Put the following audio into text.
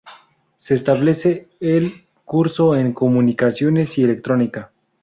Se establece el curso en "Comunicaciones y Electrónica".